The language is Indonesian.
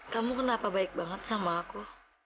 kamu kenapa baik banget sama aku